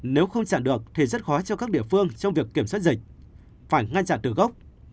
nếu không trả được thì rất khó cho các địa phương trong việc kiểm soát dịch phải ngăn chặn từ gốc